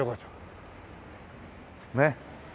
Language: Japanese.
ねっ。